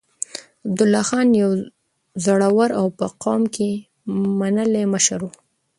عبدالله خان يو زړور او په قوم کې منلی مشر و.